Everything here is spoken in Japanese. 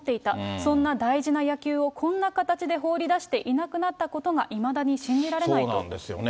そんな大事な野球をこんな形で放り出していなくなったことがいまそうなんですよね。